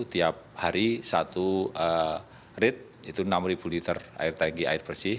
tiap hari satu rit itu enam liter air tagi air bersih